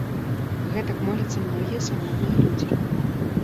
Гэтак моляцца многія самотныя людзі.